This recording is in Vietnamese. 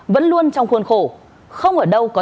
vẫn luôn trong khuôn khổ